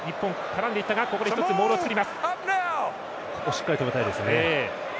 しっかり止めたいですね。